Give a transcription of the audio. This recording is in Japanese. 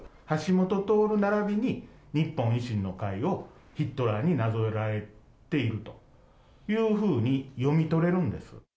橋下徹ならびに日本維新の会をヒットラーになぞらえているというふうに読み取れるんです。